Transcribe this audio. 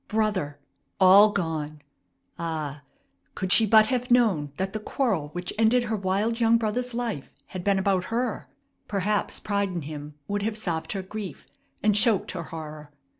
Brother! All gone! Ah! Could she but have known that the quarrel which ended her wild young brother's life had been about her, perhaps pride in him would have salved her grief, and choked her horror.